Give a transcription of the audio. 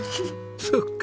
そっか！